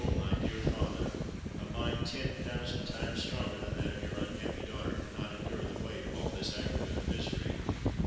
my dear father, a mind ten thousand times stronger than that of your unhappy daughter could not endure the weight of all this aggregate of misery!